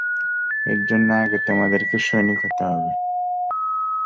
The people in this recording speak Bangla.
এরজন্য আগে তোমাদেরকে সৈনিক হতে হবে।